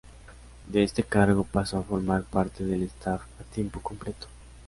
De este cargo pasó a formar parte del staff a tiempo completo.